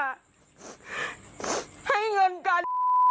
ให้เงินกัน